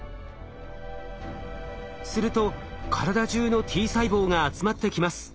すると体じゅうのＴ細胞が集まってきます。